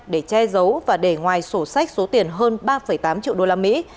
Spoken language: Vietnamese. để che giấu và để ngoài sổ sách số tiền hơn ba tám triệu usd